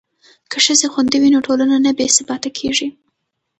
که ښځې خوندي وي نو ټولنه نه بې ثباته کیږي.